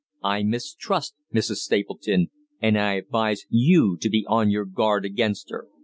I mistrust Mrs. Stapleton, and I advise you to be on your guard against her."